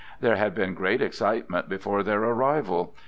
There had been great excitement before their arrival.